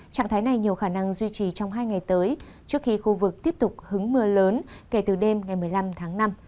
trạng thái này nhiều khả năng duy trì trong hai ngày tới trước khi khu vực tiếp tục hứng mưa lớn kể từ đêm ngày một mươi năm tháng năm